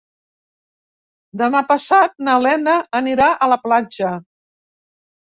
Demà passat na Lena anirà a la platja.